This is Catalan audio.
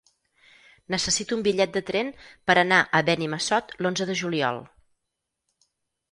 Necessito un bitllet de tren per anar a Benimassot l'onze de juliol.